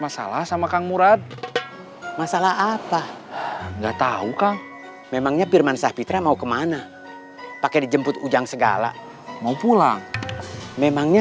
sampai jumpa di video selanjutnya